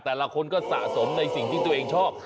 แต่ละคนก็สะสมในสิ่งที่ตัวเองชอบ